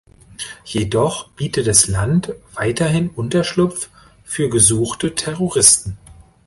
Jedoch biete das Land weiterhin Unterschlupf für gesuchte Terroristen.